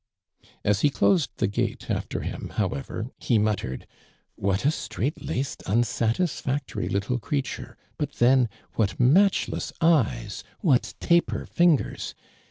As he closed the gate after him, however, he muttered: " What a strait laced, unsa tisfactory little creature, hut then, what matchless eyes, what taper fingers